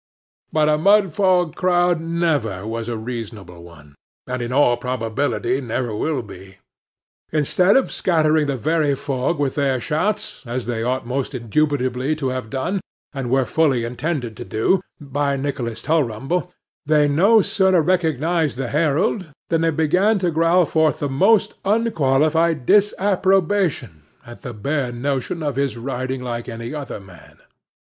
But a Mudfog crowd never was a reasonable one, and in all probability never will be. Instead of scattering the very fog with their shouts, as they ought most indubitably to have done, and were fully intended to do, by Nicholas Tulrumble, they no sooner recognized the herald, than they began to growl forth the most unqualified disapprobation at the bare notion of his riding like any other man.